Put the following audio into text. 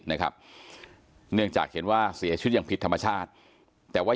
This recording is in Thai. นะครับเนื่องจากเห็นว่าเสียชีวิตอย่างผิดธรรมชาติแต่ว่า